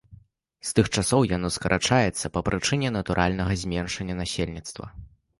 З тых часоў яно скарачаецца па прычыне натуральнага змяншэння насельніцтва.